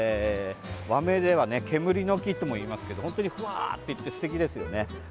和名ではね、煙の木ともいいますけど本当にふわっていってすてきですよね。